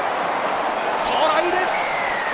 トライです！